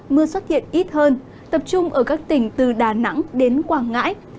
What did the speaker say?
mưa xuất hiện ít hơn tập trung ở các tỉnh từ đà nẵng đến quảng ngãi